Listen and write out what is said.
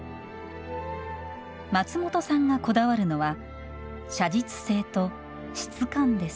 松本さんがこだわるのは写実性と質感です。